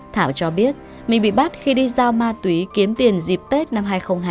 thảo cho biết mình bị bắt khi đi giao ma túy kiếm tiền dịp tết năm hai nghìn hai mươi